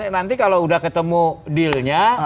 nanti kalau udah ketemu dealnya